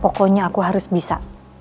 pokoknya aku harus bisa